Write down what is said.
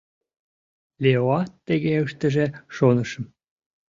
Леоат тыге ыштыже шонышым.